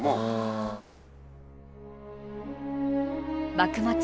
幕末